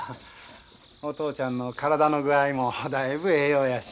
お父ちゃんの体の具合もだいぶええようやし。